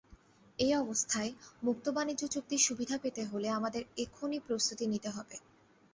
এ অবস্থায় মুক্তবাণিজ্য চুক্তির সুবিধা পেতে হলে আমাদের এখনই প্রস্তুতি নিতে হবে।